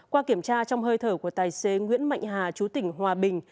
qua kiểm tra trong hơi thở của tài xế nguyễn mạnh hà chú tỉnh hòa bình